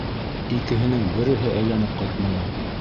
Икеһенең береһе әйләнеп ҡайтманы.